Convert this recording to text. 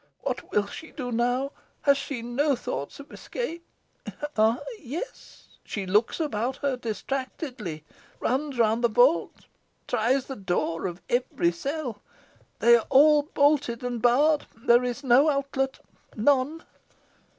What will she do now? Has she no thoughts of escape? Oh, yes! She looks about her distractedly runs round the vault tries the door of every cell: they are all bolted and barred there is no outlet none!"